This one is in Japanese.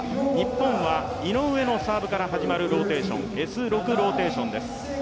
日本は井上のサーブから始まるローテーションＳ６ローテーションです。